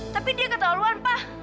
tapi dia ketahuan pak